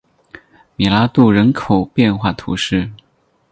米拉杜人口变化图示